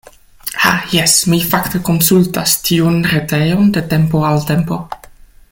Ha jes, mi fakte konsultas tiun retejon de tempo al tempo.